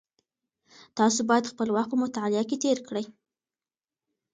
تاسو باید خپل وخت په مطالعه کې تېر کړئ.